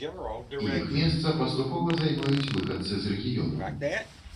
Іх месца паступова займаюць выхадцы з рэгіёнаў.